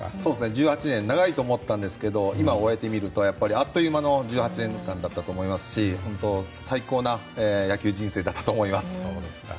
１８年長いと思ったんですけど今終えてみると、あっという間の１８年間だったと思いますし本当、最高な野球人生だったと思います。